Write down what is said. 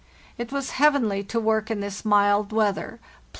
It was heavenly to work im this mild weather, +11.